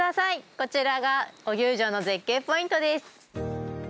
こちらが大給城の絶景ポイントです。